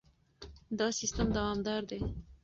دا سیستم دوامدار دی.